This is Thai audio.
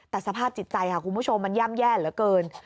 แต่สภาพจิตใจค่ะคุณผู้ชมมันย่ำแย่เหลือเกิน